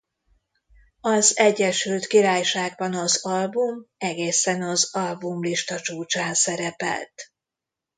Az Egyesült Királyságban az album egészen az albumlista csúcsán szerepelt.